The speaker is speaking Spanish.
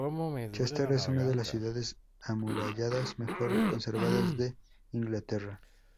Chester es una de las ciudades amuralladas mejor conservadas de Inglaterra.